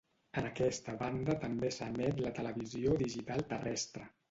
En aquesta banda també s'emet la televisió digital terrestre.